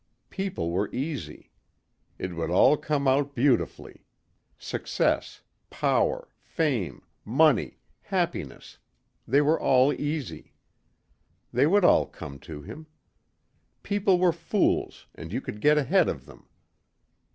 People were easy. It would all come out beautifully. Success, power, fame, money, happiness they were all easy. They would all come to him. People were fools and you could get ahead of them.